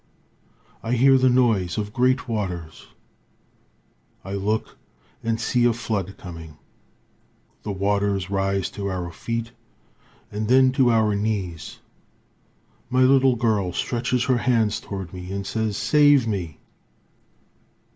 I hear the noise of great waters; I look, and see a flood coming. The waters rise to our feet, and then to our knees. My little girl stretches her hands toward me and says, "Save me."